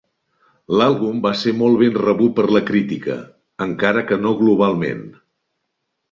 L'àlbum va ser molt ben rebut per la crítica, encara que no globalment.